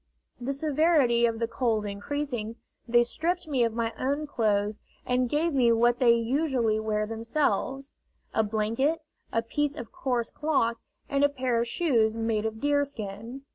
The severity of the cold increasing, they stripped me of my own clothes and gave me what they usually wear themselves a blanket, a piece of coarse cloth, and a pair of shoes made of deerskin.